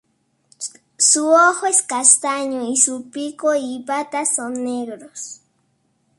Su ojo es castaño y su pico y patas son negros.